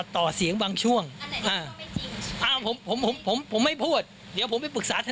ลองฟังดูค่ะ